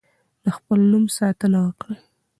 د خپل نوم ساتنه وکړئ.